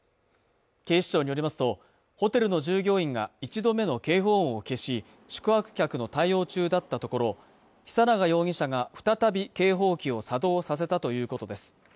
警視庁によりますとホテルの従業員が１度目の警報音を消し宿泊客の対応中だったところ久永容疑者が再び警報器を作動させたということです